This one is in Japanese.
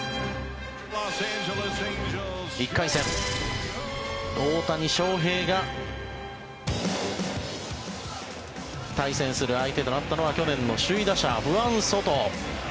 １回戦、大谷翔平が対戦する相手となったのは去年の首位打者フアン・ソト。